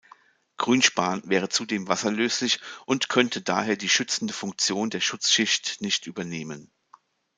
Grünspan wäre zudem wasserlöslich und könnte daher die schützende Funktion der Schutzschicht nicht übernehmen.